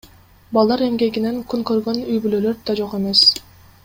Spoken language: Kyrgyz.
Балдар эмгегинен күн көргөн үй бүлөлөр да жок эмес.